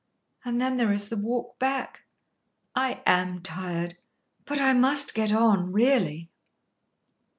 "And then there is the walk back. I am tired. But I must get on, really."